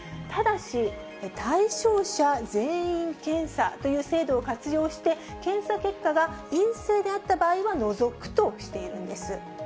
ただし、対象者全員検査という制度を活用して、検査結果が陰性であった場合は除くとしているんです。